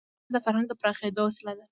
ډرامه د فرهنګ د پراخېدو وسیله ده